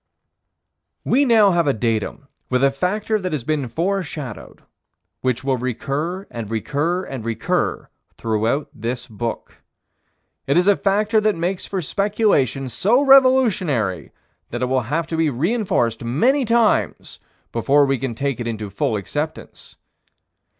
We now have a datum with a factor that has been foreshadowed; which will recur and recur and recur throughout this book. It is a factor that makes for speculation so revolutionary that it will have to be reinforced many times before we can take it into full acceptance.